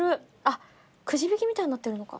くじ引きみたいになってるのか。